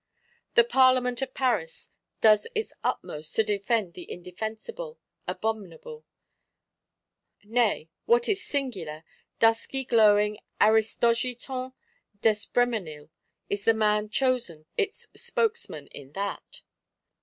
The Parlement of Paris does its utmost to defend the indefensible, abominable; nay, what is singular, dusky glowing Aristogiton d'Espréménil is the man chosen to be its spokesman in that.